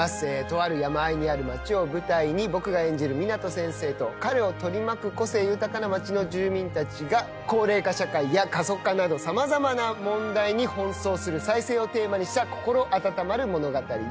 とある山あいにある町を舞台に僕が演じる湊先生と彼を取り巻く個性豊かな町の住民たちが高齢化社会や過疎化など様々な問題に奔走する再生をテーマにした心温まる物語です。